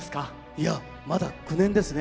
いやまだ９年ですね。